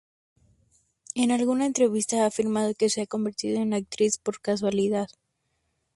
En alguna entrevista ha afirmado que se ha convertido en actriz por casualidad.